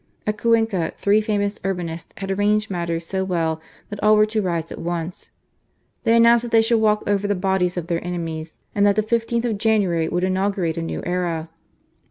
At Cuenca, three famous Urbinists had arranged matters so well that all were to rise at once. They announced that they should walk over the bodies of their enemies, and that the 15th of January would inaugurate a new era